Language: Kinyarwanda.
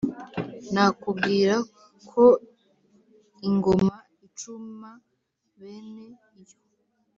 nakubwira ko ingoma icuma bene yo,